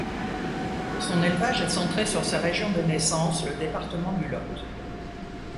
Son élevage est centré sur sa région de naissance, le département du Lot.